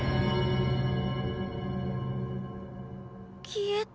消えた。